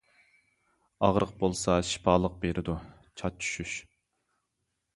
ئاغرىق بولسا شىپالىق بېرىدۇ چاچ چۈشۈش.